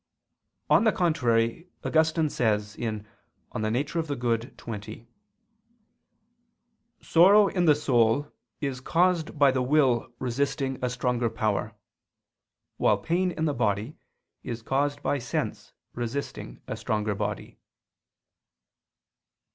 On the contrary, Augustine says (De Nat. Boni xx): "Sorrow in the soul is caused by the will resisting a stronger power: while pain in the body is caused by sense resisting a stronger body."